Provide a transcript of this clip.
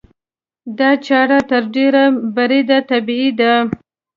دا چاره تر ډېره بریده طبیعي ده.